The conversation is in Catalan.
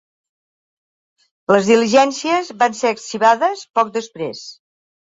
Les diligències van ser arxivades poc després.